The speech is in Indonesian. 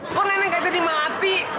kok nenek gak jadi mati